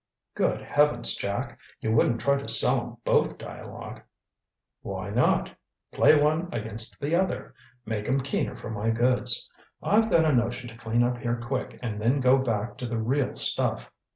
"Good heavens, Jack! You wouldn't try to sell 'em both dialogue?" "Why not? Play one against the other make 'em keener for my goods. I've got a notion to clean up here quick and then go back to the real stuff.